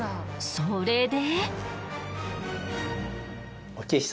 それで。